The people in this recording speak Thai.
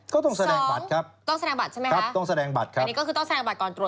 ก็ต้องแสดงบัตรครับครับต้องแสดงบัตรครับอันนี้ก็คือต้องแสดงบัตรก่อนตรวจ